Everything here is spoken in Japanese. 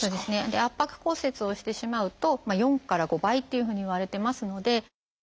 圧迫骨折をしてしまうと４から５倍っていうふうにいわれてますので。